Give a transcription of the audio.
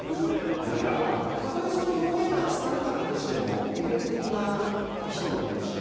たとえその表現が拙かったとしても魅力的な人もいるし。